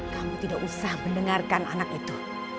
kamu tidak usah mendengarkan anak itu